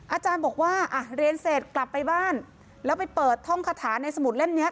อาจารย์บอกว่าอ่ะเรียนเสร็จกลับไปบ้านแล้วไปเปิดท่องคาถาในสมุดเล่มเนี้ย